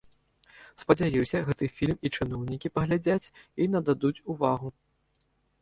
Спадзяюся, гэты фільм і чыноўнікі паглядзяць, і нададуць увагу.